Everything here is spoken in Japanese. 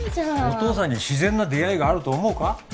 お父さんに自然な出会いがあると思うか？